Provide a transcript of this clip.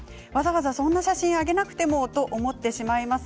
そんな写真を上げなくてもと思ってしまいます。